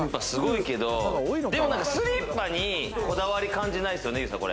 でもスリッパにこだわり感じないっすよね。